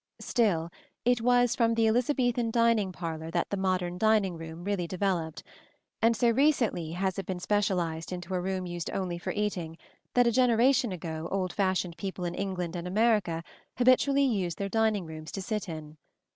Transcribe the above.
Still, it was from the Elizabethan dining parlor that the modern dining room really developed; and so recently has it been specialized into a room used only for eating, that a generation ago old fashioned people in England and America habitually used their dining rooms to sit in.